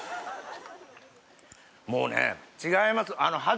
もうね違います。